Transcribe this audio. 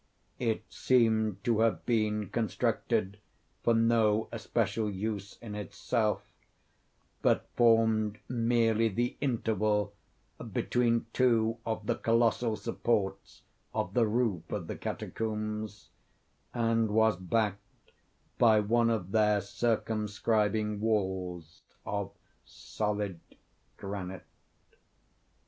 It seemed to have been constructed for no especial use in itself, but formed merely the interval between two of the colossal supports of the roof of the catacombs, and was backed by one of their circumscribing walls of solid granite.